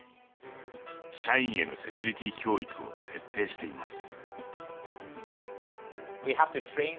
社員へのセキュリティ教育を徹底しています。